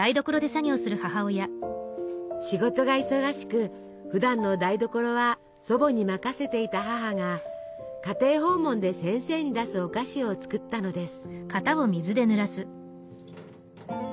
仕事が忙しくふだんの台所は祖母に任せていた母が家庭訪問で先生に出すお菓子を作ったのです。